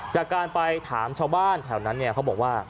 จากการไปถามชาวบ้านแถวนั้นเนี่ยเขาบอกว่า